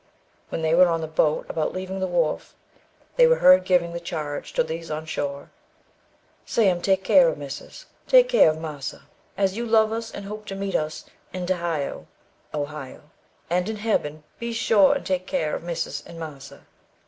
When they were on the boat, about leaving the wharf, they were heard giving the charge to those on shore "Sam, take care of Misus, take care of Marser, as you love us, and hope to meet us in de Hio (Ohio), and in heben; be sure and take good care of Misus and Marser."